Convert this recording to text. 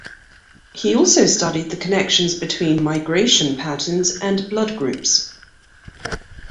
He also studied the connections between migration patterns and blood groups.